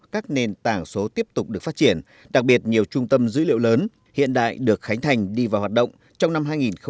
các nền tảng số tiếp tục được phát triển đặc biệt nhiều trung tâm dữ liệu lớn hiện đại được khánh thành đi vào hoạt động trong năm hai nghìn hai mươi ba hai nghìn hai mươi bốn